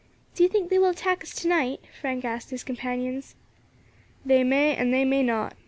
"Do you think they will attack us to night?" Frank asked his companions. "They may, and they may not.